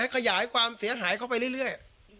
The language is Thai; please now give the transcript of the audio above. ขยายความเสียหายเข้าไปเรื่อย